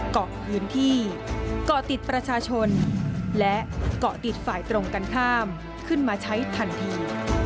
เกาะพื้นที่เกาะติดประชาชนและเกาะติดฝ่ายตรงกันข้ามขึ้นมาใช้ทันที